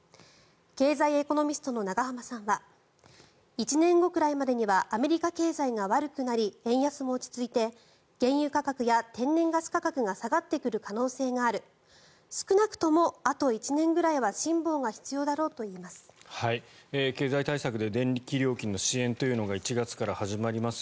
経済エコノミストの永濱さんは１年後くらいまでにはアメリカ経済が悪くなり円安も落ち着いて原油価格や天然ガス価格が下がってくる可能性がある少なくともあと１年ぐらいは辛抱が必要だろうといいます。